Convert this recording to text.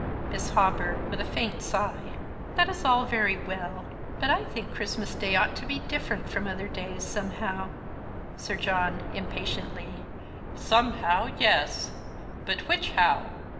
Miss Hawberk (with a faint sigh). That is all very well ; but I think Christmas Day ought to be different from other days, somehow. .Sir John (impatiently). Somehow, yes, but which how?